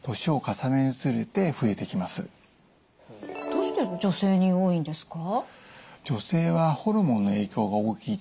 どうして女性に多いんですか？